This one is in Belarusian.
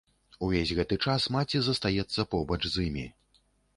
Увесь гэты час маці застаецца побач з імі.